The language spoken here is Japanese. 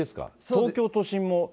東京都心も。